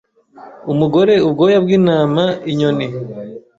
umugore ubwoya bwintama Inyoni